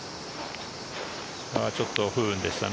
ちょっと不運でしたね。